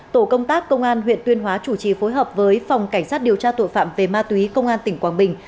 tổ công tác công an huyện tuyên hóa chủ trì phối hợp với phòng cảnh sát điều tra tội phạm về ma túy công an tỉnh quảng bình